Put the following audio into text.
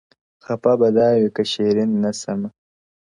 خپـه به دا وي كــه شـــيرين نه ســمــه،